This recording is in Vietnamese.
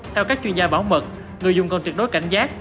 cho các chuyên gia bảo mật người dùng còn trực đối cảnh giác